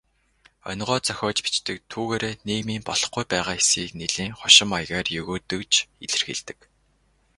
Онигоо зохиож бичдэг, түүгээрээ нийгмийн болохгүй байгаа хэсгийг нэлээн хошин маягаар егөөдөж илэрхийлдэг.